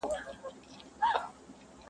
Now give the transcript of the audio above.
ګونګ یې کی زما تقدیر تقدیر خبري نه کوي,